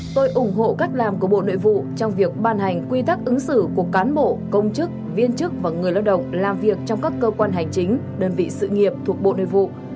tôi ủng hộ cách làm của bộ nội vụ trong việc ban hành quy tắc ứng xử của cán bộ công chức viên chức và người lao động làm việc trong các cơ quan hành chính đơn vị sự nghiệp thuộc bộ nội vụ